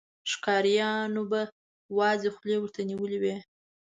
ښکاريانو به وازې خولې ورته نيولې وې.